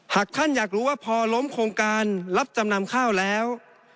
หากท่านอยากรู้ว่าพอล้มโครงการรับจำนำข้าวแล้ว